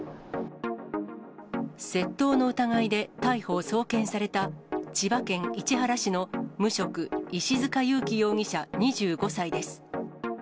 窃盗の疑いで逮捕・送検された、千葉県市原市の無職、石塚雄喜容疑者２５歳です。